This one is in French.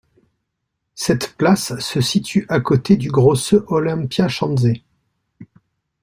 Cette place se situe à côté du Große Olympiaschanze.